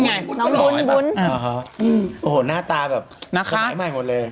อาโหหน้าตาแบบขมัยใหม่หมดเลย